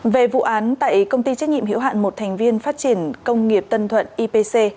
về vụ án tại công ty trách nhiệm hiểu hạn một thành viên phát triển công nghiệp tân thuận ipc